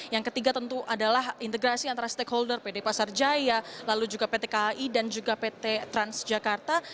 yang ketiga tentu adalah integrasi antara stakeholder pd pasar jaya lalu juga pt kai dan juga pt transjakarta